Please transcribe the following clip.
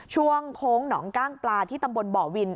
โค้งหนองกล้างปลาที่ตำบลบ่อวิน